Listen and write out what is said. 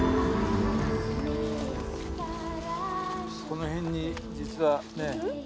この辺に実はね。